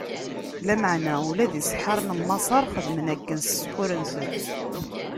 Lameɛna ula d iseḥḥaren n Maṣer xedmen akken s ssḥur-nsen.